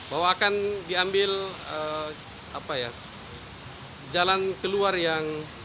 bahwa akan diambil jalan keluar yang